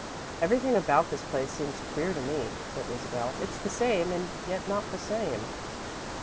"Everything about this place seems queer to me," said Isabel. "It's the same, and yet not the same."